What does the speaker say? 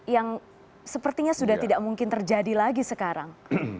yang sepertinya sudah tidak mungkin terjadi lagi sekarang